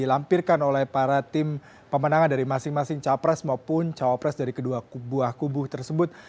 dilampirkan oleh para tim pemenangan dari masing masing capres maupun cawapres dari kedua buah kubu tersebut